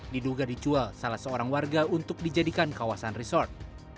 diduga dicual salah seorang warga untuk dijadikan kawasan resort